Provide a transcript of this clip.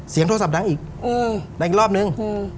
เสียงโทรศัพท์ดังอีกได้อีกรอบหนึ่ง